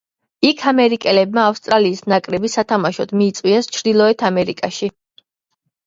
იქ ამერიკელებმა ავსტრალიის ნაკრები სათამაშოდ მიიწვიეს ჩრდილოეთ ამერიკაში.